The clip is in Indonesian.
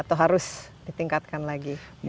atau harus ditingkatkan lagi